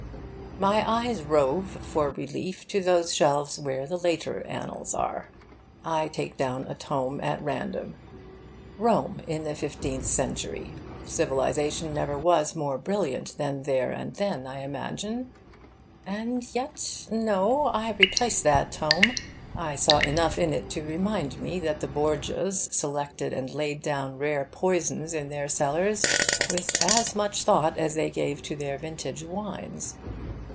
My eye roves, for relief, to those shelves where the later annals are. I take down a tome at random. Rome in the fifteenth century: civilisation never was more brilliant than there and then, I imagine; and yet no, I replace that tome. I saw enough in it to remind me that the Borgias selected and laid down rare poisons in their cellars with as much thought as they gave to their vintage wines.